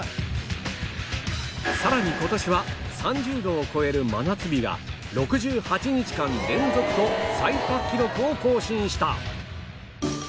さらに今年は３０度を超える真夏日が６８日間連続と最多記録を更新した